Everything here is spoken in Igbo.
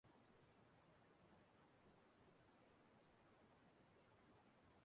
nye ya ikike ka ọ chịaa afọ anọ.